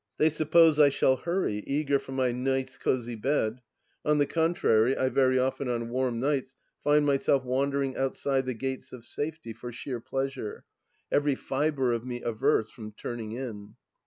They suppose I shall hurry, eager for my nice cosy bed. ... On the contrary, I very often on warm nights find myself wandering outside the gates of safety for sheer pleasure, every fibre of me averse from " turning in."